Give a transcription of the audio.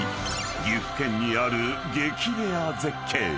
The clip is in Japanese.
［岐阜県にある激レア絶景］